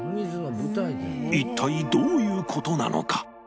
一体どういう事なのか？